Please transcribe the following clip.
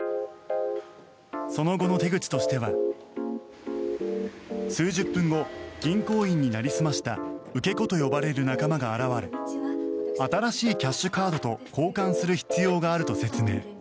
その後の手口としては数十分後銀行員になりすました受け子と呼ばれる仲間が現れ新しいキャッシュカードと交換する必要があると説明。